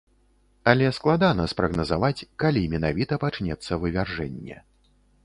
Але складана спрагназаваць, калі менавіта пачнецца вывяржэнне.